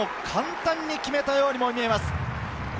簡単に決めたようにも見えます。